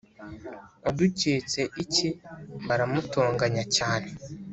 Waduketse iki Baramutonganya cyane